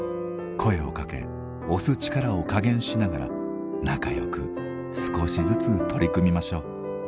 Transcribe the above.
声をかけ押す力を加減しながら仲良く少しずつ取り組みましょう。